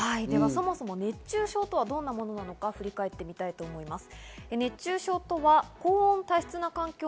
そもそも熱中症とはどんなものなのか振り返っていきます。